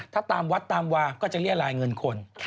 ถ้าตามวัดตามบรรยากาศก็จะนี้รายเงินคน